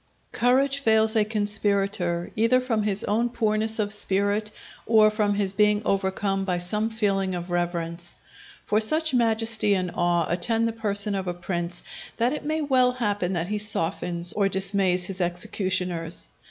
Courage fails a conspirator either from his own poorness of spirit, or from his being overcome by some feeling of reverence. For such majesty and awe attend the person of a prince, that it may well happen that he softens or dismays his executioners.